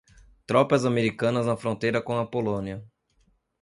Tropas americanas na fronteira com a Polônia